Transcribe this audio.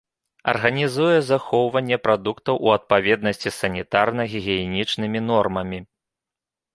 Арганізуе захоўванне прадуктаў у адпаведнасці з санітарна-гігіенічнымі нормамі.